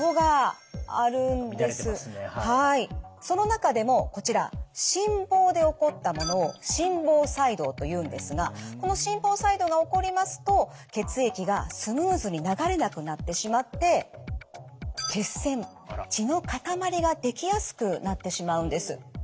その中でもこちら心房で起こったものを心房細動というんですがこの心房細動が起こりますと血液がスムーズに流れなくなってしまって血栓血の塊ができやすくなってしまうんです。